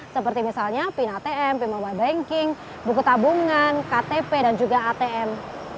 seperti misalnya pin atm pin mobile banking buku tabungan ktp dan juga atm